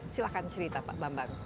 silahkan cerita pak bambang